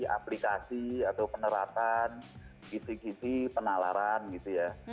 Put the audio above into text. aplikasi atau peneratan kisi kisi penalaran gitu ya